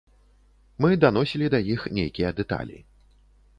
Мы даносілі да іх нейкія дэталі.